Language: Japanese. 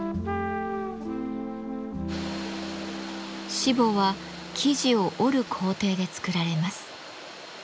しぼは生地を織る工程で作られます。